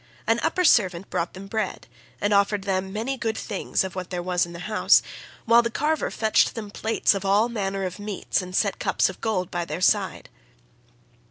An upper servant brought them bread, and offered them many good things of what there was in the house, while the carver fetched them plates of all manner of meats and set cups of gold by their side.